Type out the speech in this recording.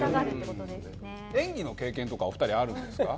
演技の経験とかはお二人はあるんですか？